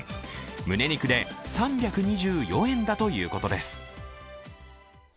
むね肉で３２４円だということです。